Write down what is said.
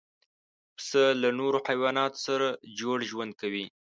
پسه له نورو حیواناتو سره جوړ ژوند کوي.